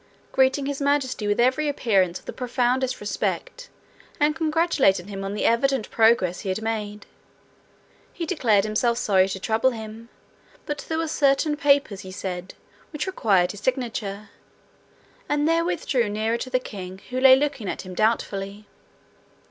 Greeting His Majesty with every appearance of the profoundest respect, and congratulating him on the evident progress he had made, he declared himself sorry to trouble him, but there were certain papers, he said, which required his signature and therewith drew nearer to the king, who lay looking at him doubtfully.